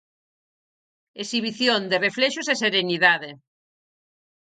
Exhibición de reflexos e serenidade.